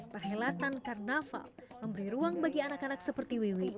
perhelatan karnaval memberi ruang bagi anak anak seperti wiwi